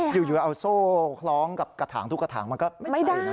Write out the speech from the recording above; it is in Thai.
อยู่เอาโซ่คล้องกับกระถางทุกกระถางมันก็ไม่ดีนะ